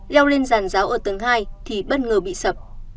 leo lên giàn giáo ở tầng hai thì bất ngờ bị sập